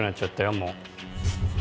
もう。